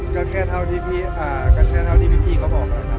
ก็แค่เท่าที่พี่ก็บอกแล้วนะครับ